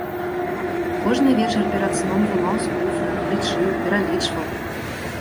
Кожны вечар перад сном вымаў з куфра, лічыў, пералічваў.